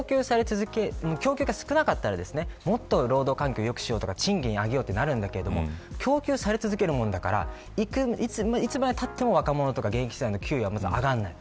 供給が少なかったらもっと労働環境を良くしようとか賃金を上げようとなるんだけれど供給され続けるからいつまでたっても若者現役世代の給料が上がんない。